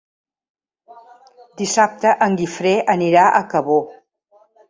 Dissabte en Guifré anirà a Cabó.